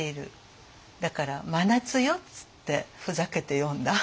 だから真夏よっつってふざけて詠んだ。